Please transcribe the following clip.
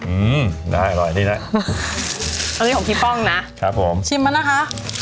อืมได้อร่อยที่นั้นอันนี้ของพี่ป้องนะครับผมชิมมั้ยนะคะ